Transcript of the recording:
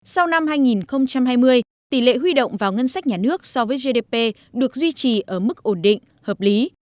sau năm hai nghìn hai mươi tỷ lệ huy động vào ngân sách nhà nước so với gdp được duy trì ở mức ổn định hợp lý